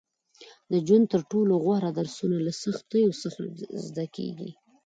• د ژوند تر ټولو غوره درسونه له سختیو څخه زده کېږي.